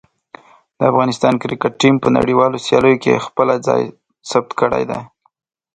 د افغانستان کرکټ ټیم په نړیوالو سیالیو کې خپله ځای ثبت کړی دی.